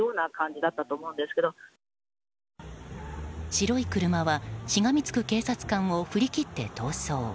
白い車は、しがみつく警察官を振り切って逃走。